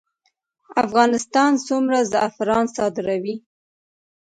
افغانستان څومره زعفران صادروي؟